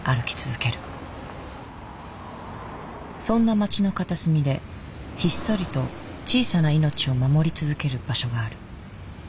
そんな町の片隅でひっそりと小さな命を守り続ける場所がある。